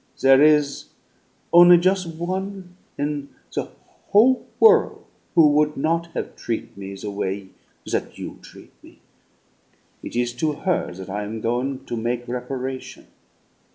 There is only jus' one in the whole worl' who would not have treat' me the way that you treat' me. It is to her that I am goin' to make reparation.